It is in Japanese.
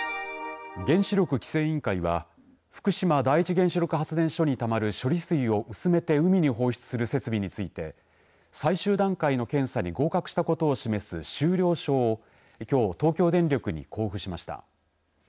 原子力規制委員会は福島第一原子力発電所にたまる処理水を薄めて海に放出する設備について最終段階の検査に合格したことを示す終了証をきょう、東京電力に交付しました。